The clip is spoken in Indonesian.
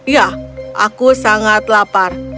ya aku sangat lapar